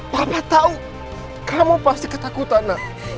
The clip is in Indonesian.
papa tahu kamu pasti ketakutan